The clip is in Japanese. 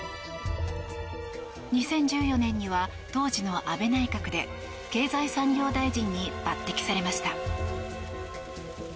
２０１４年には当時の安倍内閣で経済産業大臣に抜擢されました。